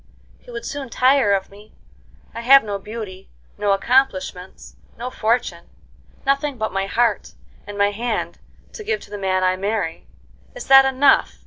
"You would soon tire of me. I have no beauty, no accomplishments, no fortune,—nothing but my heart, and my hand to give the man I marry. Is that enough?"